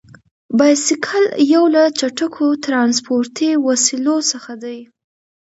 بایسکل یو له چټکو ترانسپورتي وسیلو څخه دی.